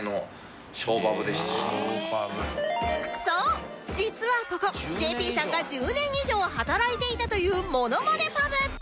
そう実はここ ＪＰ さんが１０年以上働いていたというモノマネパブ